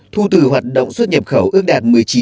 thu từ hoạt động của các cơ sở xã hội chủ nghĩa